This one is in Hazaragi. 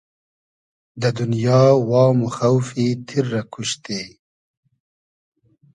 دۂ دونیا وام و خۆفی تیر رۂ کوشتی